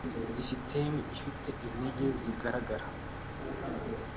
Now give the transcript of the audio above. Sisitemu ifite inenge zigaragara.